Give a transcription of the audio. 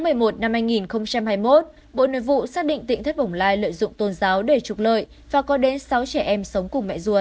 ngày một mươi một năm hai nghìn hai mươi một bộ nội vụ xác định tịnh thất bồng lai lợi dụng tôn giáo để trục lợi và có đến sáu trẻ em sống cùng mẹ ruột